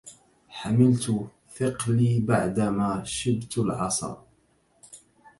حملت ثقلي بعد ما شبت العصا